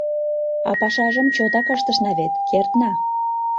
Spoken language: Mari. — А пашажым чотак ыштышна вет, кертна!